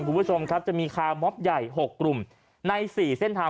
คุณผู้ชมครับจะมีคาร์มอบใหญ่๖กลุ่มใน๔เส้นทาง